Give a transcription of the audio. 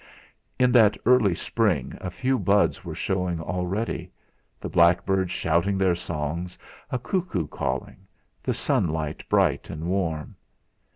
In that early spring a few buds were showing already; the blackbirds shouting their songs, a cuckoo calling, the sunlight bright and warm.